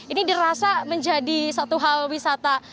ini dirasa menjadi satu hal wisata